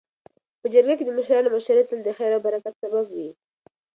. په جرګه کي د مشرانو مشورې تل د خیر او برکت سبب وي.